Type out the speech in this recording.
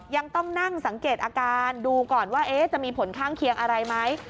ยังต้องนั่งสังเกตอาการดูก่อนว่าจะมีผลข้างเคียงอะไรไหม